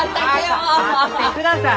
若待ってください！